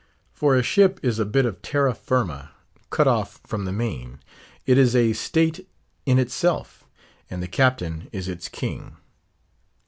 For a ship is a bit of terra firma cut off from the main; it is a state in itself; and the captain is its king.